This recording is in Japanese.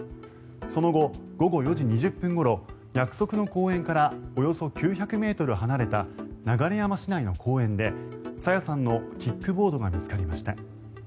その後、午後４時２０分ごろ約束の公園からおよそ９００ｍ離れた流山市内の公園で朝芽さんのキックボードが見つかりました。